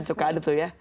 cukup ada tuh ya